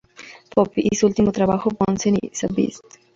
Puppy" y su último trabajo "Bunsen is a Beast".